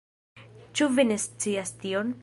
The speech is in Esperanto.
Ĉu vi ne scias tion?